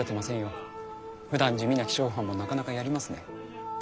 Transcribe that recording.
ふだん地味な気象班もなかなかやりますね。